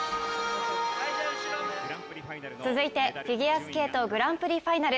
続いてフィギュアスケートグランプリファイナル。